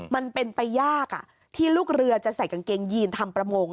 มันเป็นไปยากที่ลูกเรือจะใส่กางเกงยีนทำประมง